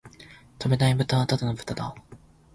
飛べないブタはただの豚だ